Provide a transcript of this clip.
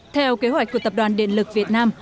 theo kế hoạch của tập đoàn điện lực việt nam